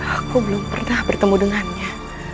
aku belum pernah bertemu dengannya